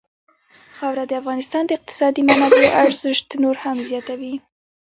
خاوره د افغانستان د اقتصادي منابعو ارزښت نور هم زیاتوي.